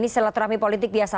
silaturahmi politik biasa